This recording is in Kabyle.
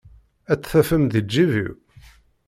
Ad tt-tafem di lǧib-iw?